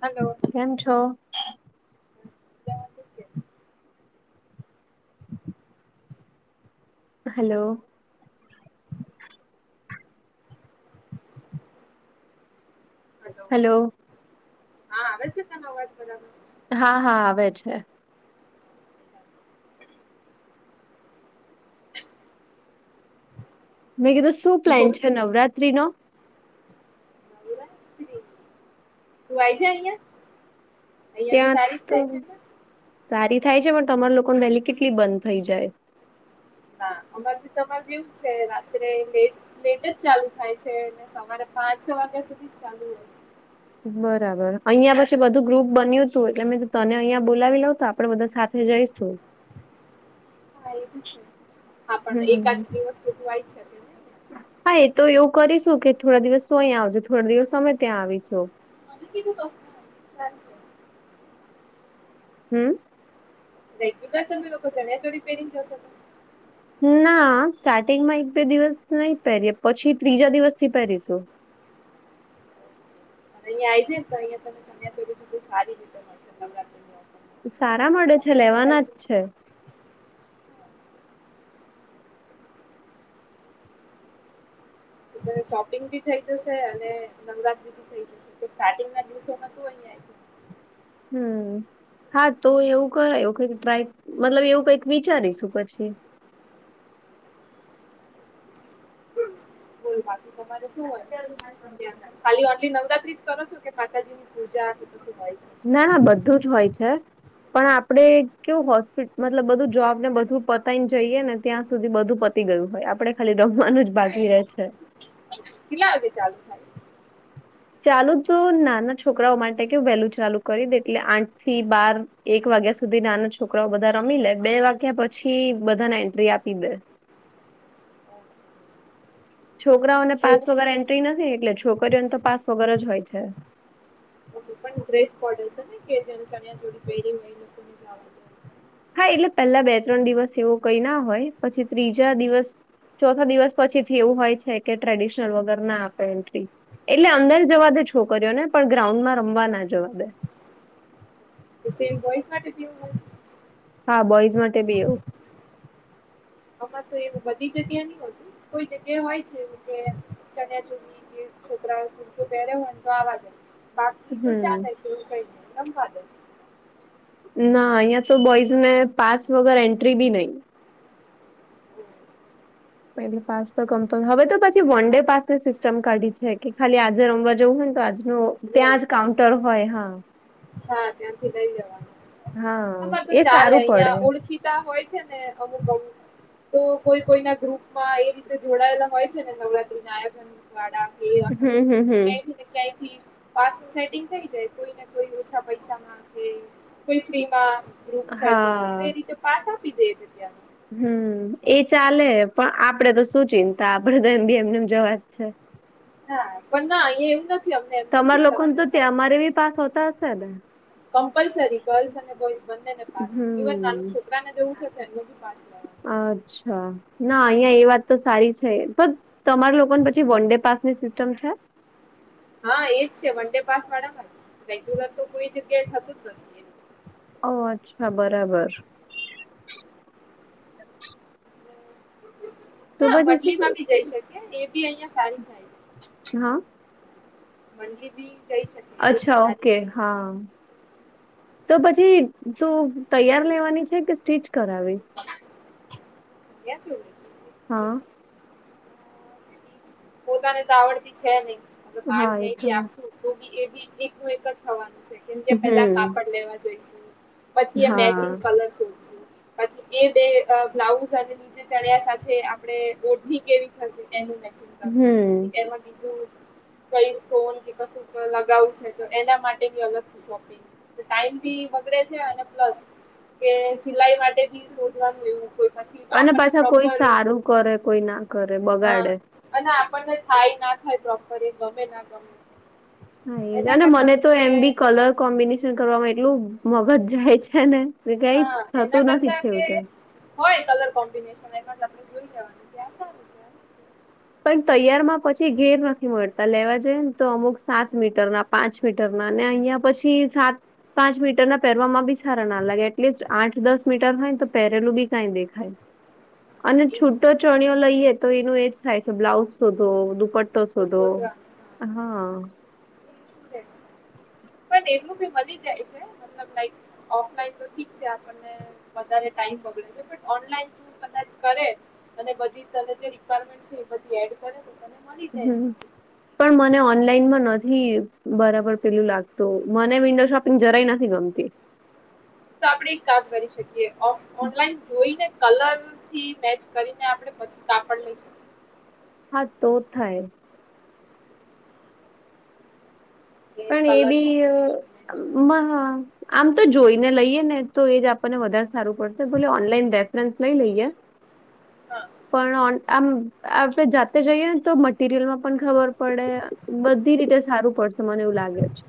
Hello. કેમ છો? Hello. Hello hello હા આવે છે તને અવાજ બધનો? હા હા આવે છે. બરાબર મેં કીધું શું પ્લેન બોલ છે નવરાત્રી નો. તું આઈ જાય અહીંયા. અહિયાં બી ત્યાં સારી જ તો થાય છે ને. સારી થાય છે પણ તમારા લોકોને વહેલી કેટલી બંધ થઈ જાય. અમારે બી તમારા જેવું જ છે રાત્રે લેટ લેટ જ ચાલુ થાય છે સવારે પાંચ છ વાગ્યા સુધી ચાલુ હોય બરાબર અહિયાં પછી બધું ગ્રુપ બન્યું હતું એટલે મે તને અહિયાયા બોલાવી લઉં તો આપડે બધા જઈશું. હા એ બી છે હા પણ હમ્મ. એકાદ દિવસ આઈ શકે ને. હા એ તો એવું કરીશું કે થોડા દિવસ તું અહીં આવજે થોડા દિવસ અમે ત્યાં આવીશું. [unintelligible] હમ દેટદ તમે લોકો ચણીયા ચોડી પેરી જશો ના સ્ટાર્ટિંગ માં એક બે દિવસ નહી પહેરીએ પછી ત્રીજા દિવસ થી પહેરીશું અહિયાં આઈ જે તો અહિયાં ચણિયાચોલી સારી રીતે મળશે સારા ઓફરમાં. મળે તો છે લેવાના જ અહીંયાથી છે. ત શોપિંગ ભી થઈ જશે અને નવરાત્રી [unintelligible] ના દિવસોમાં હમ હા તો એવું કરાયું કઈક ટ્રાય મતલબ એવું કઈક વિચારીશું પછી બ બાકી તમારે શું હોય ખાલી આટલી નવરાત્રી છો કે માતાજી ની પૂજા કે શું હોય છે ના ના બધું જ હોય છે પણ આપડે કેવું હોસ્પિટ મતલબ બધું જોબને બધું પતાવીને જઈએ ને ત્યાં સુધી બધું તી ગયું હોય આપડણે ખાલી રમવાનું જ બાકી રહેે છે કેટલા વાગે ચાલુ થાય ચાલુ તો નાના છોકરાઓ માટે કે હ વહેલું ચાલુ કરી દે એટલે આઠ થી બાર એક વાગ્યા સુધી નાના છોકરાઓ બધા રમી લે બે વાગ્યા પછી બધાને એન્ટ્રી આપી દે છોકરાઓને પાસ જેવું વગર એન્ટ્રી નથી એટલે છોકરીઓને તો પાસ વગર જ હોય છે ઓકે પણ ડૈસ કોડ છે ને કે જેને ચણ્યા ચોડી પહેરી હો એ લોકોને જવા હા એટલે પહેલા બે ત્રણ દિવસ એવો કઈ ના હોય પછી ત્રીજા દિવસ ચોથા દિવસ પછી થી એવું હોય છે કે ટ્રેડિશનલ વગર ના આપે એન્ટ્રી એટલે અંદર જવા દે છોકરીઓને પણ ગ્રાઉન્ડમાં રમવા ના જવા દે સેમ બોયસ માટે બીહો હા બોઈઝ માટે બી એવું આમાં તો એવું બધી જગ્યા નની હોતું કોઈ જગ્યા એ હોય છે એવું કે ચણીયા ચોલી કે છોકરાઓ કૂતો પહેરે હો તો આ વાદે બાકી તો ચાલે હમ છે એવુ કઈ રમવા દે ના યા તો બોયઝ ને પાસ વગેર એન્ટ્રી ભી નહીં હમ એટલે પાસ તો ગમતો હવે તો પછી વન ડે પાસ ની સિસ્ટમ કાઢી છે કે ખાલી આજે રમવા જવું હોયને તો આજ ન ત્યાં જ યસ કાઉન્ટર હોય હા હા ત્યાંથી લઈ જવાનું હા આમાર તો એ ચાલે સારું અહિયાં પડે ઓળખી હોય છે ને અમુક અમુક તો કોઈ કોઈના ગ્રુપમાં એ રીતે જોડાયેલા હોય છે ને ડા હમ હમ હમ કેથી [unintelligible] પાસ ન સેટિંગ થઈ જાય કોઈ ને કોઈ ઓછા પૈસા માંખે કોઈ ફ્રીમાં ગ્રુપ છે તો એ હા રીતે પાસ આપી દે છે ત્યા હમ એ ચાલે પણ આપડે તો શું ચિંતા આપડે તો એમ બી એમને એમ જવાજ છે હા પણ ના એવ તમારા લોકો ન તો અમારે બી પાસ હોતા હશે ને કમ્પલસરી ગર્લ્સ અને બોઈસ બંનેને પાસ ઇવન ના હમ છોકરાને જવું છે એમનો બી પાસ લેવાનો અચ્છા ના અહિયાં એ વાત તો સારી છે તમારા લોકો ને પછી વન ડે પાસ ની સિસ્ટમ છે હા એજ છે વન ડે પાસ વાળા માં છે રેંગ્યુલર તો કોઈ જગ્યાએ થતું જ નથી એવું. ઓ અચ્છા બરાબર. તો હા પછી શું શું મડલીમાં બી જઈ શકી એ બી અહિયાં સારું થાય છે. હા. મે બી [unintelligible] એ બી અચ્છા સારી ઓકે થાય છે. હા તો પછી તું તૈયાર લેવાની છે કે સ્ટીચ કરાવીશ ક્યાં છું હા પોતાને તો આવડતી છે નહીં બાર હા એ તો ક્યાંથી આપશું મોગી એ બી એકું એક જ થવાનું છે કેમકે પેલા હમ કાપડ લેવા જઈશું. પછી એ મેચિંગ હા કલર શોધશું. પછી એ બે બ્લાઉઝ અને નીચે ચણ્યા સાથે આપણે ઓઢણી કેવી થશે. એનું મેચિંગ કરશું હમ પછી એમાં બીજ કઈ સ્ટોન કે કશું લગાવું છે તો એના માટે બી અલગથી શોપિંગ. ટાઈમ બી બગડે છે અને પ્લસ કે સિલાઈ માટે શોધવા જોયું પછી અને આપણને પાછા કોઈ પ્રોપર સારું કરે કોઈ ના કરે હા બગાડે. અને આપણને થાય ના થાય પ્રોપર એ ગમે ના ગમે. હા એ એના અને કરતા મને તો કે એમ બી કલર કોમ્બિનેશન કરવામાં એટલું મગજ જાય છે ને તે કઈ હા એના થતું નથી કરતા કે છેવટે. હોય કલર કોમ્બિનેશન એ વા આપણે જોઈ લેવાનું ક્યાં સારું છે. પણ તૈયારમાં પછી ઘેર નથી મળતા લેવા જઈએ ને તો અમુક સાત મીટર ના પાંચ મીટર ના અને અહિયાં પછી સાત પાંચ મીટર ના પહેરવામાં બી સારા ના લાગે એટલીસ્ટ આઠ દસ મીટર હોય ને તો પહેરેલું બી કાંઈ દેખાય. અને એ જ છૂટો છે ચણયો લઈએ તો એનું એજ થાય છે બ્લાઉઝ શોધો દુપટ્ટ તો સીધો હા. એ શું રહે છે પણ એટલું બી વધી જાય છેલ ઓફલાઈન તો ઠીક છે આપણે વધારે ટાઈમ બગડે છે ઓનલાઈન કદાચ કરે અને બધી ત જે રિક્વાયરમેન્ટ છે એ બધી એડ કરે તો તને મળી જાય હમ્મ. એમાંથી. પણ મને ઓનલાઈનમાં નથી બરાબર પેલું લાગતું મને વિન્ડો શોપિંગ જરાય નથી ગમતી. તો આપડે એક કામ કરી શકીએ ઓનલાઈન જોઈને કલર થી મેચ કરીને આપડણે પછી કાપડ લઈશું. હા તો થાય. કે પણ એ કલર કોમ્બિનેશન મેચ કરીને. બી આમ તો જોઈને લઈએે ને તો એ જ આપણને વધારે સારું પડશે ભોલે ઓનલાઈન રેફરન્સ લઈ લઈએ હા પણ આમ આપણે જાતે જઈએ ને તો મટીરિયલમાં પણ ખબર પડે બધી રીતે સારું પડશે. મને એવું લાગે છે.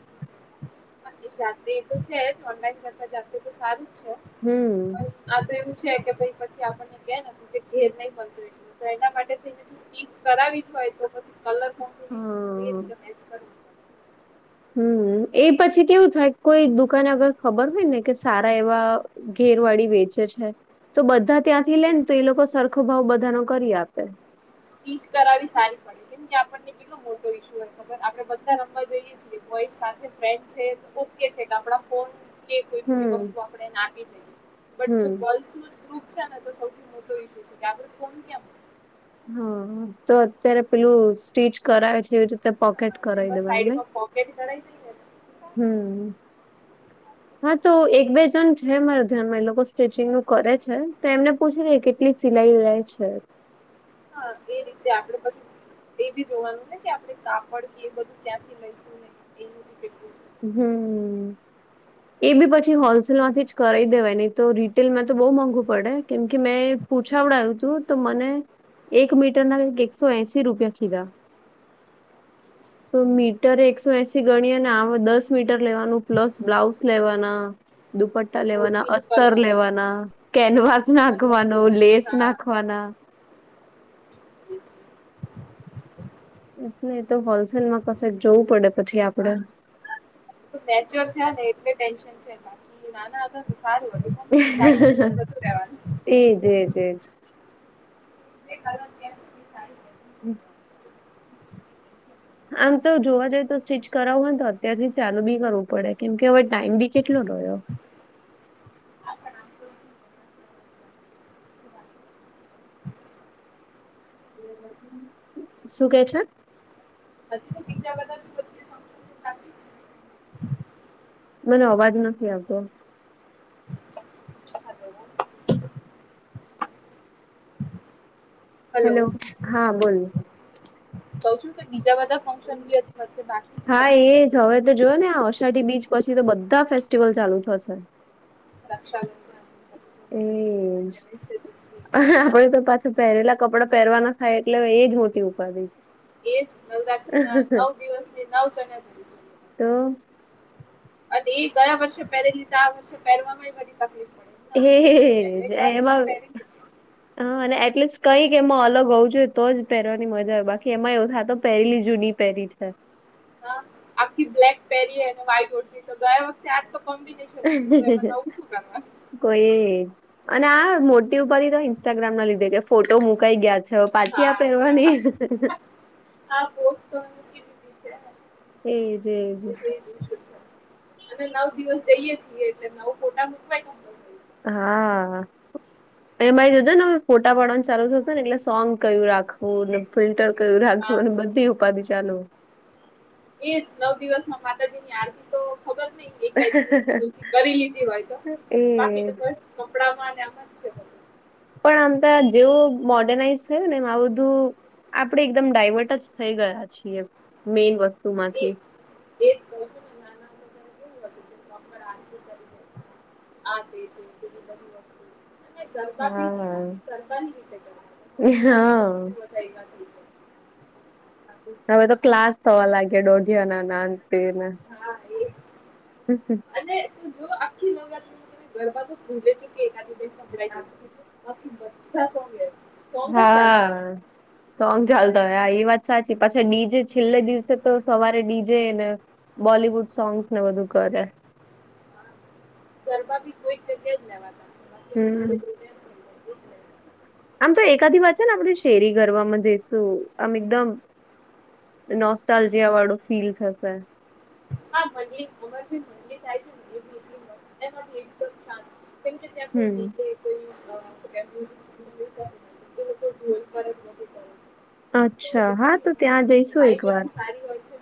એ જાતે એ તો છે જ ઓનલાઈન કરતા જાતે તો સારું જ છે. હમ્મ. આ પણ તો એવું છે કે પછી આપણને કેું કે ઘેર નહી બનતું તો એના માટેને સ્ટીચ કરાવી હોય તો પછી કલર કોમ્બિનેશન કરી હા. રીતે મેચ કર હમ એ પછી કેવું થાય કોઈ દુકને અગર ખબર હોય ને કે સારા એવા ઘેરવાળી વેચે છે તો બધા ત્યાંથી લે ને તો એ લોકો સરખો ભાવ બધા ન કરી આપે. સ્ટીચ કરાવી સારી પડે કેમ કે આપણને કેટલો મોટો ઇશ્ય હોય ખબર આપડે બધા રમવા જઈએ. છીએ બોઈસ સાથે ફ્રેન્ડ છે ઓકે છે કા આપડા ફોન કે કોઈ બીજી હમ્મ વસ્તુ આપણે ના આપી દઈ બ હમ્મ. જોલ્સ ન જ ગપ અચ્છા તો સૌથી મોટો ઈશુ છે કે આપડે ફોન ક્યા મુકવો? હા તો અત્યારે પેલું સ્ટીચ કરાવે છે એવી રીતે પકેટ કર એમાં દવાનું નય. સાઈડમાં પોકેટ કરાવી દઈએ ને તો સારું રહે. હમ્મ. હા તો એક બે જણ છે મારા ધ્યાનમાં એ લોકો સ્ટિચિંગ નું કરે છે તો એમને પૂછી લે કે કેટલી સિલાઈ લેય છે. હા એ રીતે આપડ પછી એ બી જોવાનું ને કે આપે કાપડ બું ક્યાંથી લઈશું એવું. હમ. એ બી પછી હોલસેલમાંથી જ કરાવ દેવાય નહી તો રીટેલમાં તો બો મોંઘુ પડે કેમ કે મેં પૂછાવડાવું હતું તો મને એક મીટરના એકસો એસી રૂપિયા કીધા તો મીટર એકસો એસી ગણી અને આ દસ મીટર લેવાનું પ્લસ બ્લાઉઝ લેવાના દુપટ્ટા અને લેવાના ઓળખીનું અસ્તર કરવાનું લેવાના કેનવાસ અને નાખવાનો લેસ હા નાખ ખવાના હ એટલે તો હોલસેલમાં કશે જવું પડે પછી આપડે નેચ્યોર થયા ને એટલે ટેન્શન છે બાકી નાના સારું હતું મમ્મીની સાડી જતું રવાનું [inaudible] એજ એજ એજ [inaudible] આમ તો જોવા જઈએ તો સ્ટીચ કરાવું ને તો અત્યારથી ચાલુ બી કરવું પડે કેમ કે હવે ટાઈમ ભી કેટલો રહ્યો [inaudible] શું કે છે? પછી તો બીજા બધા [inaudible] મને અવાજ નથી આવતો હાલો. હેલો હા બોલ કઉ શું કે બીજા બધા ફંક્શન બી હજી વચ્ચે બાકી છે. હા એજ હવે તો જોયને આ અષાઢી બીચ પછી તો બધા ફેસ્ટીિવલ ચાલુ થશે રક્ષા [inaudible] એજ આપડે તો પાછું પહેરેલા કપડાં પહેરવાના થાય એટલે એ જ મોટી ઉપાધી એજ નવરાત્રીના નવ દિવસની નવ ચણયા ચ તો અને એ ગયા વર્ષે પહેરે લીધ આ વર્ષે પહેરવામાં બધી તકલીફ પડે ના હે એ નહીં પહેરે જ ગયા વર્ષે એમાં પહેરી લીધી હા અને એટલીસ્ટ કઈક એમાં અલગ હોવુ જોઈએ તો જ પહેરવાની મજા આવે બાકી એમાં એવું થાયતો પહેરેલી જૂની પેરી છે. હા આખી બ્લેક પેરી અને વ્હાઈટ ઓઢણી તો ગયા વ તે આ તો કોમ્બિનેશન હતુ અને એમા નવુ સુ ક કોઈ અને આ મોટી ઉપાધી તો ઇન્સ્ટાગ્રામના લીધે છે. ફોટો મુકાઈ ગયા છે, પાછી આ હા પહેરવાની યાર [inaudible] એજ એજ અને નવ દિવસ જઈએ છીએ એટલે નવ ફોટા મુકવાય હા. એમાંય જો જે ને હવે ફોટા પાડવાનું ચાલુ થશે ને એટલે સોંગ કયું રાખ કોને ફિલ્ટર કરું રાખવું હા અને બધી ઉપાધિ ચાલુ એ જ નવ દિવસમાં માતાજીની આરતી તો ખબર નય એકય દિવસ ભુલથી કરી લીધી હોય તો બાકી તો એજ બસ કપડામાં ને આમાં જ છે. પણ આમ ત જેવું મોર્ડનાઈઝ થયું ને એમ આ બધું આપણે એકદમ ડાયવર્ટ જ થઈ ગયા છીએ મેઈન એ વસ્તુમાંથી એ જ [unintelligible] આ [unintelligible] ગરબા બીતી હા ગરબા ની રીતે હા [unintelligible] હવે તો ક્લાસ થવા લાગે દોઢિયાના નાં તે ને [inaudible] હા એ જ અને જો આખી નવરાત્રી તમે ગરબા તો ભૂલે ચુકા [unintelligible] સંળઈ જશે આપકી બધા સોંગે હે હા. સોંગ ચાલતો હોય આ એ વાત સાચી પાછી ડીજે છેલ્લે દિવસે તો સવારે ડીજે ને બોલિવુડ સોંગ્સ ને બધું કરે હોય. ગરબા બી કોઈ એક જગ્યા જ લેવાતા હવે બધે હમ્મ ગ્રુપ એમ થઈ જાય એક રહેશે. આમ તો એકાધી વાંચે ને આપધ શેરી ગરવામાં જઈશું આમ એકદમ નોસ્ટાલજીિયા વાળું ફીલ થશે હા ભી મગરી મ થાય છે ભ બી એલી મસ્ત એકદમાન કે ત કોઈ દીજે કોઈ સુ કેવાય હમ્મ તે લોકો ઢોલ ફત નથી ત અચ્છા હા તો ત્યાં જઈશું એક વાઇબ વાર એટલી સારી હોય છે.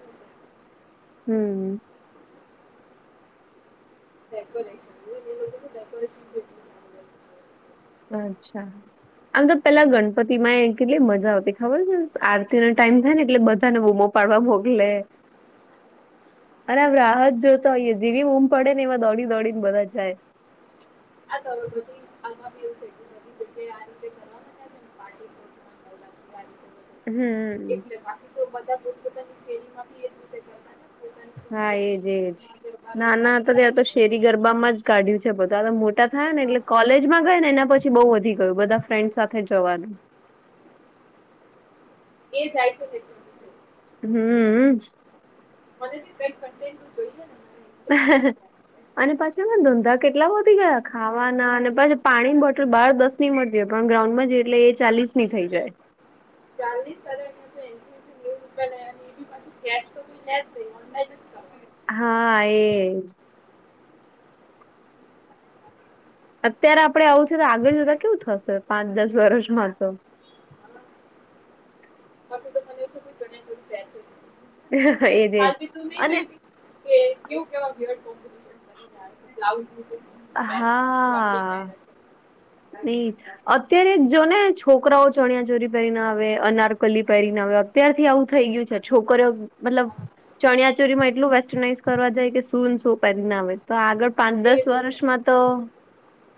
હમ્મ ડેકોરેશનને [unintelligible] ડેકોરેશનું અચ્છા આમ તો પેલા ગણપતિ માં કેટલી મજા આવતી ખબર છે આરતી ન ટાઈમ થાય ને એટલે બધાને બમ પડવા મોકલે અને આમ રાહત જોતો હોઈએ જેવી ઊમ પડે ને એમાં દોડી દોડીને બધા જાય આ થવ બધી આ બીવ જગ્યા આ રીતે કરવા [unintelligible] [inaudible] હમ્મ એટલે બાકી તો બધા પોતપતાની શેરીમાં બી એ રીતે જતા હા એજ એજ ના રમતા ના તો બધા ત્યાં તો રાત્રે શેરી ગરબામાં જ કાઢ્યું છે બધા તો મોટા થાય ને હા એટલે કોલેજમાં ગય ને એના પછી બઉુ વધી ગયું બધા ફ્રેન્ડ સાથે જવાનું એ જાય છે. જઈશ. હમ્મ મનેથી કઈ [unintelligible] જોઈલા ને ઇન્સ્ટા પર મૂકવા [unintelligible] અને પછી એ ધંધા કેટલા વધી ગયા ખાવાના અને પછી પાણીની બોટલ બહાર દસ ન મળતી હોય પણ ગ્રાઉન્ડમાં જ એટલે એ ચાલીસ ની થઈ જાય ચાલીસ અને [unintelligible] [unintelligible] કેસ તો ને ર ઓનલાઇન જ કરવાનું હા એજ અત્યારે આપડે આવું છ તો આગળ જતા કેવું થશે પાંચ દસ વર્ષમાં તો હજુ તો મને જણ્યા જ બેસે એજ એજ હાલ બી તું નહી અને જોઈતી કે કેવું કેવા [unintelligible] કોમ્ બની છે બ્લાઉ જીન્સ પ છે શ પહેરે છે. ઈજ અત્યારે જો ને છોકરાઓ ચણિયા ચોરી પહેરીને આવે અનારકલી પહેરીને આવે તત્યારથી આવું થઈ ગયું છે છોકરિયો મતલબ ચણચોરીમાં એટલું વેસ્ટર્નાઈઝ કરવા જાય કે સૂ ને શો પહેરીને આવે તો આગળ પાંચ છે દસ એ જ વર્ષમાં તો